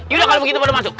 yaudah kalau begitu baru masuk